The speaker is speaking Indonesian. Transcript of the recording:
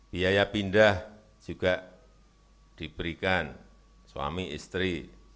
biaya pindah juga diberikan suami istri